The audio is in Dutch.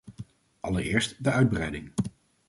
Allereerst de uitbreiding.